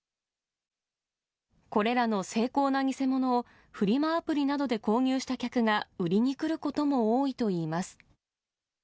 これらの精巧な偽物を、フリマアプリなどで購入した客が売りに来ることも多いといいます。